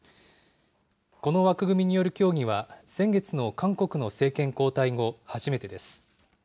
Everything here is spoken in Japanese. この枠組みによる協議は、先月の韓国の政権交代後、初めてです。